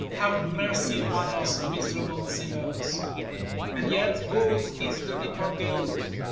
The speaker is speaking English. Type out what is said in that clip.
Have mercy upon us, miserable sinners! And yet whose is the deeper guilt?